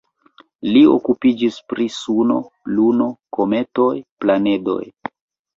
Li okupiĝis pri Suno, Luno, kometoj, planedoj.